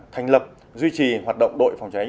thành lập duy trì hoạt động đội phòng cháy